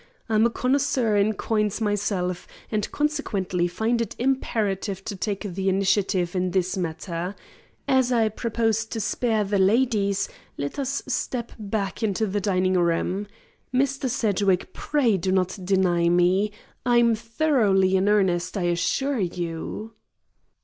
I am a connoisseur in coins myself and consequently find it imperative to take the initiative in this matter. As I propose to spare the ladies, let us step back into the dining room. Mr. Sedgwick, pray don't deny me; I'm thoroughly in earnest, I assure you."